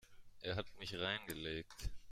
Er hat mich reingelegt.